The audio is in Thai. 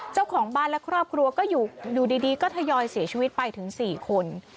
เจ้าของบ้านและครอบครัวก็อยู่ดีก็ทยอยเสียชีวิตไปถึง๔คน